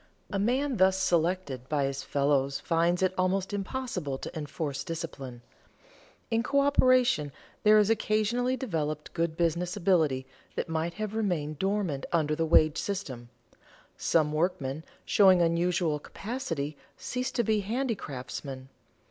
A man thus selected by his fellows finds it almost impossible to enforce discipline. In coöperation there is occasionally developed good business ability that might have remained dormant under the wage system; some workmen showing unusual capacity cease to be handicraftsmen.